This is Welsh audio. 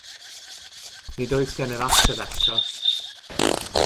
Nid oes gennyf ateb eto.